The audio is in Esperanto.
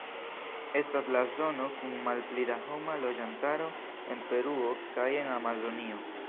Estas la zono kun malpli da homa loĝantaro en Peruo kaj en Amazonio.